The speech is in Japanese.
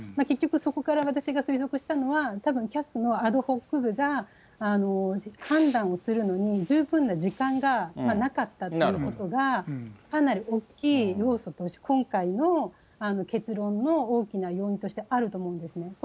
結局そこから私が推測したのは、たぶんＣＡＳのアドホック部が、判断をするのに十分な時間がなかったということが、かなり大きい要素として、今回の結論の大きな要因としてあると思うんですね。